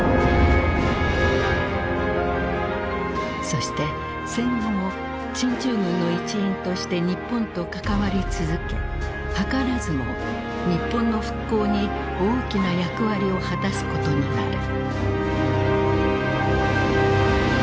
そして戦後も進駐軍の一員として日本と関わり続け図らずも日本の復興に大きな役割を果たすことになる。